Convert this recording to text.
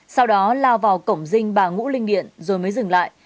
sau đó lao vào cổng dinh bà ngũ linh nghiện rồi mới dừng lại